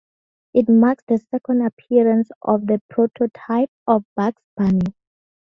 It marks the second appearance of the prototype of Bugs Bunny.